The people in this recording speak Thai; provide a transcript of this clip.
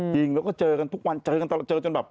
จริงแล้วเจอกันทุกวันเจอกันเชินเช้าแบบ